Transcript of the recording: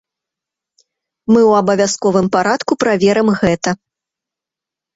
Мы ў абавязковым парадку праверым гэта.